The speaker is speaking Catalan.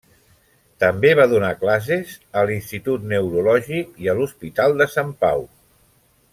També va donar classes a l'Institut Neurològic i a l'Hospital de Sant Pau.